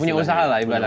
punya usaha lah ibaratnya